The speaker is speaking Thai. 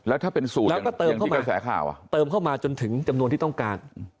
แล้วก็เติมเข้ามาจนถึงจำนวนที่ต้องการ